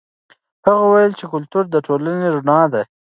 هغه وویل چې کلتور د ټولنې رڼا ده.